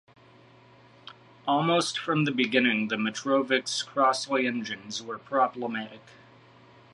Almost from the beginning the Metrovick's Crossley engines were problematic.